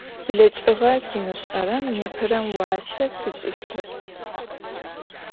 Bleç'ığer zımış'erem nêperem vuase fiş'ıştep.